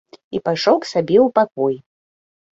І пайшоў к сабе ў пакоі.